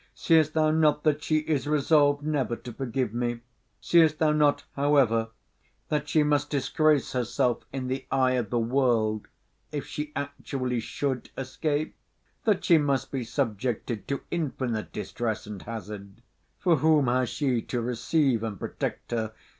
Seest thou not that she is resolved never to forgive me? Seest thou not, however, that she must disgrace herself in the eye of the world, if she actually should escape? That she must be subjected to infinite distress and hazard! For whom has she to receive and protect her?